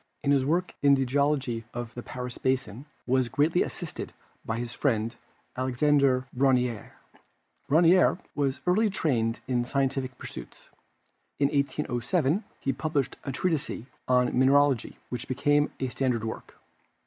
Cuvier in his work on the geology of the Paris basin was greatly assisted by his friend, Alexandre Brongniart. Brongniart was early trained in scientific pursuits. In 1807 he published a treatise on mineralogy, which became a standard work.